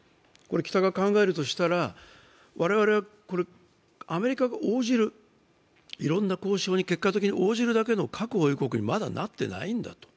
北が考えるとしたら、我々はアメリカが応じる、いろんな交渉に結果的に応じるだけの核保有国にまだなってないんだと。